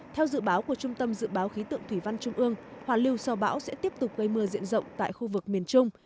theo dự báo của trung tâm dự báo khí tượng thủy văn trung ương hoàn lưu sau bão sẽ tiếp tục gây mưa diện rộng tại khu vực miền trung